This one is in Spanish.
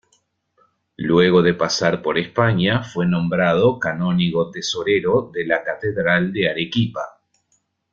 Luego de pasar por España fue nombrado canónigo tesorero de la catedral de Arequipa.